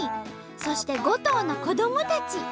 そして５頭の子どもたち。